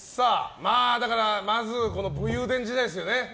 まず、武勇伝時代ですよね。